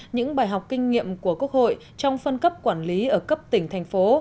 những bài học kinh nghiệm của quốc hội trong phân cấp quản lý ở cấp tỉnh thành phố